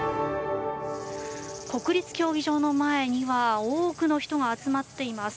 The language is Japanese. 国立競技場の前には多くの人が集まっています。